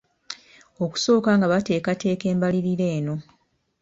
Okusooka nga bateekateeka embalirira eno.